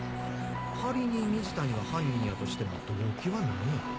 仮に水谷が犯人やとしても動機は何や？